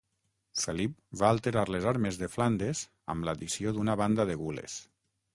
Felip va alterar les armes de Flandes amb l'addició d'una banda de gules.